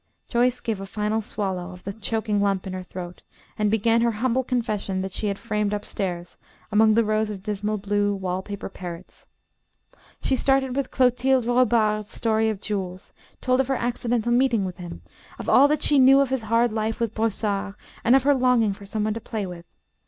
Joyce gave a final swallow of the choking lump in her throat, and began her humble confession that she had framed up stairs among the rows of dismal blue wall paper parrots. She started with Clotilde Robard's story of Jules, told of her accidental meeting with him, of all that she knew of his hard life with Brossard, and of her longing for some one to play with.